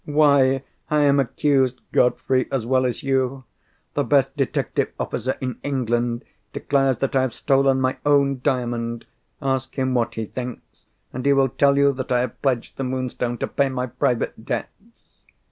"Why, I am accused, Godfrey, as well as you. The best detective officer in England declares that I have stolen my own Diamond. Ask him what he thinks—and he will tell you that I have pledged the Moonstone to pay my private debts!"